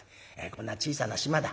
こんな小さな島だ。